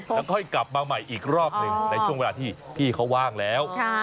แล้วค่อยกลับมาใหม่อีกรอบหนึ่งในช่วงเวลาที่พี่เขาว่างแล้ว